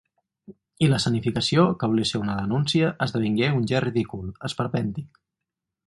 I l’escenificació, que volia ser una denúncia, esdevingué un gest ridícul, esperpèntic.